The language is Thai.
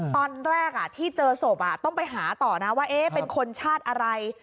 ตอนแรกที่เจอศพต้องไปหาต่อนะว่าเป็นคนชาติอะไร